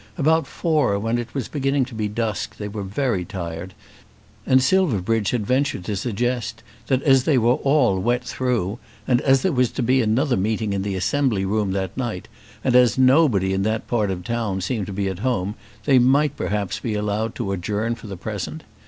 About four, when it was beginning to be dusk, they were very tired, and Silverbridge had ventured to suggest that as they were all wet through, and as there was to be another meeting in the Assembly Room that night, and as nobody in that part of the town seemed to be at home, they might perhaps be allowed to adjourn for the present.